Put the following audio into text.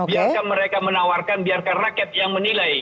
biarkan mereka menawarkan biarkan rakyat yang menilai